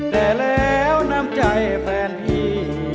แต่แล้วน้ำใจแฟนพี่